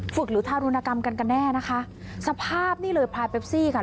หรือทารุณกรรมกันกันแน่นะคะสภาพนี่เลยพลายเปปซี่ค่ะ